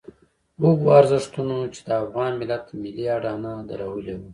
هغو ارزښتونو چې د افغان ملت ملي اډانه درولې وه.